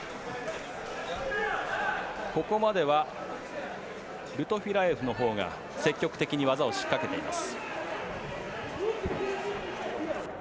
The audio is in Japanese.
ここまではルトフィラエフのほうが積極的に技を仕掛けています。